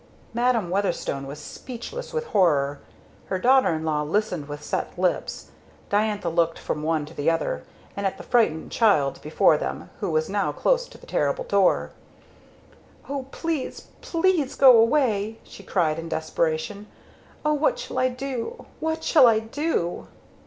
Madam Weatherstone was speechless with horror, her daughter in law listened with set lips. Diantha looked from one to the other, and at the frightened child before them who was now close to the terrible door. "O please! please! go away!" she cried in desperation. "O what shall I do! What shall I do!"